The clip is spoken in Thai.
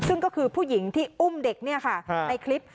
ซึ่งก็คือผู้หญิงที่อุ้มเด็กในคลิป